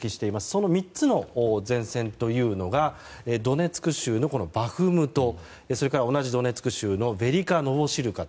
その３つの前線というのがドネツク州のバフムトそれから同じドネツク州のヴェリカ・ノヴォシルカ。